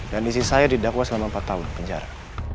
dan isi saya didakwa selama empat tahun penjara